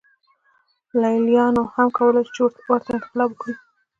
لېلیانو هم کولای شول چې ورته انقلاب وکړي.